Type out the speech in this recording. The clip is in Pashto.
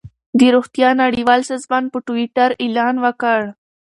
د روغتیا نړیوال سازمان په ټویټر اعلان وکړ.